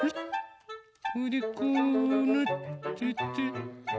それでこうなってて。